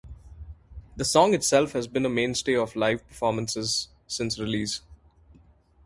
The song itself has been a mainstay of live performances since release.